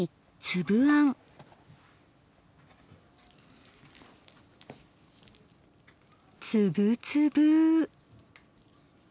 つぶつぶ！